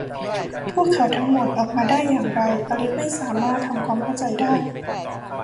พวกเขาทั้งหมด ออกมาได้อย่างไร อลิสไม่สามารถทำความเข้าใจได้